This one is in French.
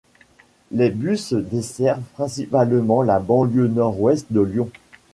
Les bus desservent principalement la banlieue Nord-Ouest de Lyon.